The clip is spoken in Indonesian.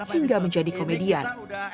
hingga menjadi komedian